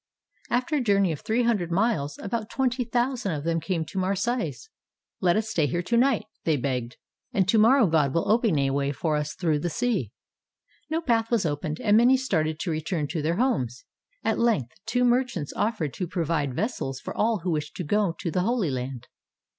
After a journey of three hun dred miles, about twenty thousand of them came to Marseilles. "Let us stay here to night," they begged, "and to morrow God will open a way for us through the sea." No path was opened, and many started to return to their homes. At length two merchants offered to pro vide vessels for all who wished to go to the Holy Land.